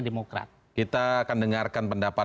demokrat kita akan dengarkan pendapat